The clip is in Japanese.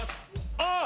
ああ！